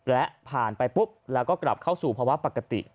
และผ่านไปปุ๊บแล้วก็กลับเข้าสู่ภาวะปกติ